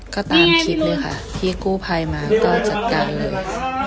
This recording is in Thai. ก็ตามคลิปเลยค่ะที่กู้ภัยมาก็จัดการเลย